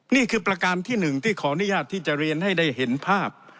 นี่คือประการที่๑ที่ขออนุญาตที่จะเรียนให้ได้เห็นภาพ